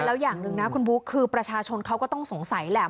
แล้วอย่างหนึ่งนะคุณบุ๊คคือประชาชนเขาก็ต้องสงสัยแหละ